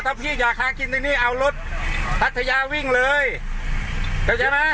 ถ้าพี่อยากหากินในนี้เอารถพัทยาวิ่งเลยเข้าใจไหม